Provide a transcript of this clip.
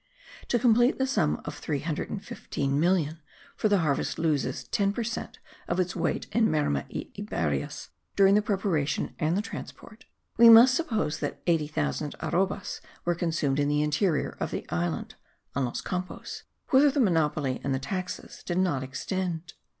To complete the sum of 315,000,000 (for the harvest loses 10 per cent of its weight in merma y aberias, during the preparation and the transport) we must suppose that 80,000 arrobas were consumed in the interior of the island (en los campos), whither the monopoly and the taxes did not extend.